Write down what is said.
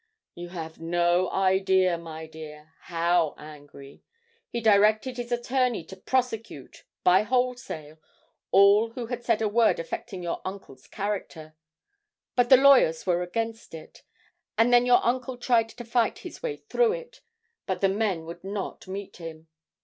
'You have no idea, my dear, how angry. He directed his attorney to prosecute, by wholesale, all who had said a word affecting your uncle's character. But the lawyers were against it, and then your uncle tried to fight his way through it, but the men would not meet him.